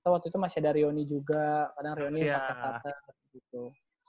waktu itu masih ada rioni juga kadang rioni ada kata kata